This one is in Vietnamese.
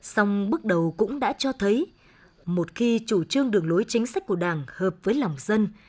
xong bước đầu cũng đã cho thấy một khi chủ trương đường lối chính sách của đảng hợp với lòng dân